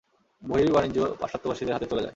বহির্বাণিজ্য পাশ্চাত্যবাসীদের হাতে চলে যায়।